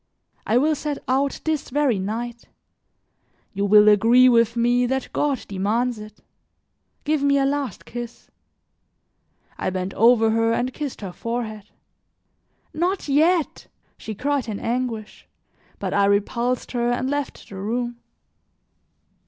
I will set out this very night; you will agree with me that God demands it. Give me a last kiss." I bent over her and kissed her forehead. "Not yet," she cried in anguish. But I repulsed her and left the room.